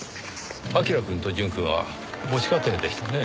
彬くんと淳くんは母子家庭でしたね。